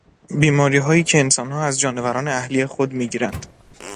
بیماریهایی که انسانها از جانوران اهلی خود میگیرند